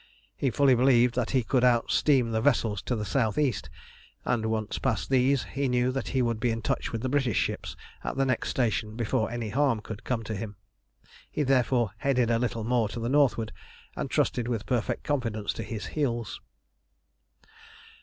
He fully believed that he could outsteam the vessels to the south east, and, once past these, he knew that he would be in touch with the British ships at the next station before any harm could come to him. He therefore headed a little more to the northward, and trusted with perfect confidence to his heels.